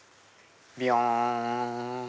びよん。